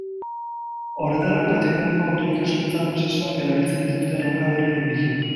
Horretarako etengabeko auto-ikaskuntza prozesuak erabiltzen dituzte erronka berrien bila.